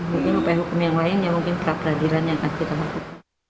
mungkin upaya hukum yang lain ya mungkin peradilan yang akan kita lakukan